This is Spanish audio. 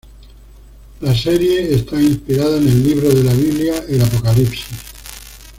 La serie está inspirada en el libro de la Biblia el Apocalipsis.